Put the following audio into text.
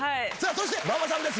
そして馬場さんです。